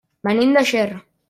Venim de Ger.